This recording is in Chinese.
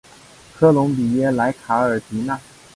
科隆比耶莱卡尔迪纳。